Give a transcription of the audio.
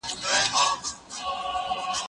زه اوس کتابتوننۍ سره وخت تېرووم